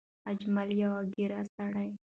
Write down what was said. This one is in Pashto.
اجمل يو ګېر سړی